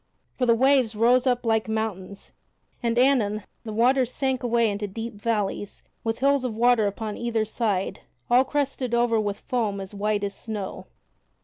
For the waves rose up like mountains, and anon the waters sank away into deep valleys with hills of water upon either side all crested over with foam as white as snow.